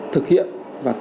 thực hiện và tự nhiên